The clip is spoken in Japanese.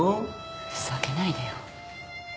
ふざけないでよ。